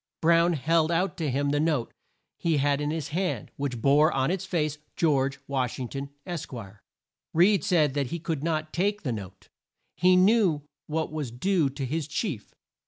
Brown held out to him the note he had in his hand, which bore on its face: George Wash ing ton, Esq. Reed said that he could not take the note. He knew what was due to his chief.